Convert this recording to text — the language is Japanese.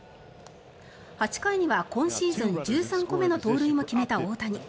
８回には今シーズン１３個目の盗塁も決めた大谷。